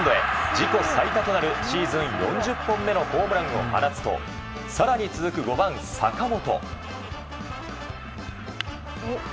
自己最多となるシーズン４０本目のホームランを放つと更に続く５番、坂本。